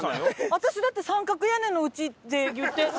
私だって「三角屋根のおうち」って言って。